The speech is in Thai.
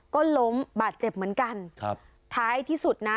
ก็ล้มบาดเจ็บเหมือนกันครับท้ายที่สุดนะ